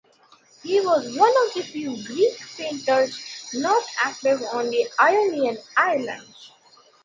He was one of the few Greek painters not active on the Ionian Islands.